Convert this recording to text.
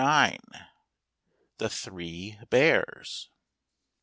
105 THE THREE BEARS.